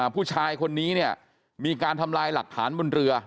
ผู้ชายคนนี้เนี่ยมีการทำลายหลักฐานบนเรือ